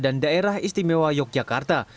dan daerah istimewa yogyakarta